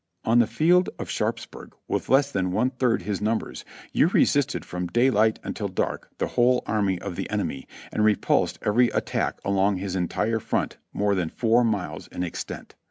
On the field of Sharpsburg, with less than one third his numbers, you resisted from daylight until dark the whole army of the enemy, and repulsed every attack along his entire front more than 4 miles in extent.